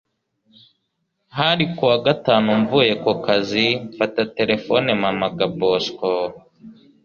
hari kuwa gatanu mvuye kukazi mfata telephone mpamaga bosco